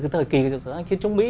thời kỳ của chiến chống mỹ